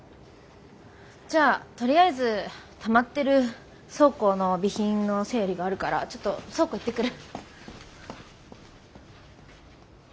じゃあとりあえずたまってる倉庫の備品の整理があるからちょっと倉庫行ってくる。